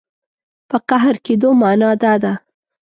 په قهر کېدو معنا دا ده.